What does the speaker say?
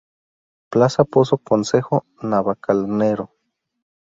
Plaza pozo Concejo Navalcarnero.